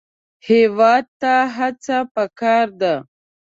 هېواد ته هڅه پکار ده